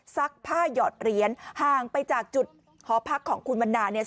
ซักผ้าหยอดเหรียญห่างไปจากจุดหอพักของคุณวันนาเนี่ย